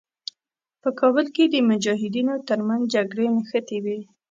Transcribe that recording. په کابل کې د مجاهدینو تر منځ جګړې نښتې وې.